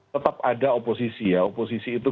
tetap ada oposisi ya oposisi itu